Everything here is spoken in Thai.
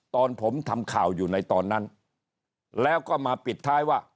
ตอนผมทำข่าวอยู่ในตอนนั้นแล้วก็มาปิดท้ายว่า